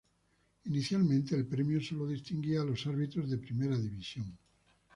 Inicialmente el premio sólo distinguía a los árbitros de Primera División.